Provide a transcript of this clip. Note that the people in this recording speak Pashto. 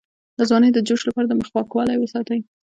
د ځوانۍ د جوش لپاره د مخ پاکوالی وساتئ